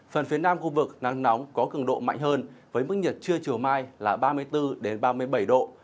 phần phía nam khu vực nắng nóng có cường độ mạnh hơn với mức nhiệt trưa chiều mai là ba mươi bốn ba mươi bảy độ